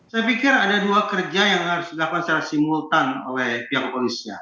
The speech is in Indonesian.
saya pikir ada dua kerja yang harus dilakukan secara simultan oleh pihak polisi